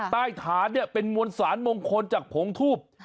ใต้ฐานเนี่ยเป็นมวลสารมงคลจากผงทูบ